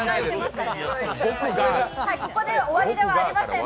ここで終わりではありません。